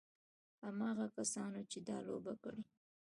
هماغه کسانو چې دا لوبه کړې.